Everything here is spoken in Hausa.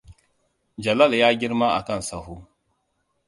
Jalal ya girma a kan sahu.